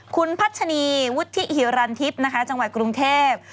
คุณพัทชระนีวุฒิหิวรันทิศจังหวัดกรุงเทพฯ